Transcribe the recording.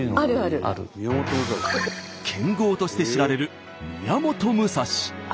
剣豪として知られる宮本武蔵。